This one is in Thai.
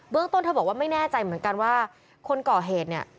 ต้นเธอบอกว่าไม่แน่ใจเหมือนกันว่าคนก่อเหตุเนี่ย